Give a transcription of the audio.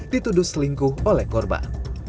dituduh selingkuh oleh korban